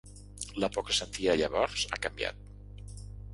La por que sentia llavors ha canviat.